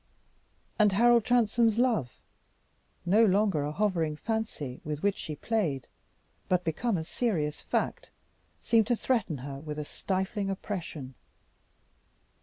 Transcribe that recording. And Harold Transome's love, no longer a hovering fancy with which she played, but become a serious fact, seemed to threaten her with a stifling oppression.